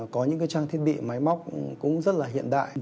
có những cái trang thiết bị máy móc cũng rất là hiện đại